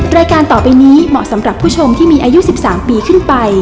รายการต่อไปนี้เหมาะสำหรับผู้ชมที่มีอายุ๑๓ปีขึ้นไป